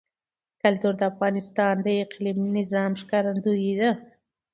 کلتور د افغانستان د اقلیمي نظام ښکارندوی ده.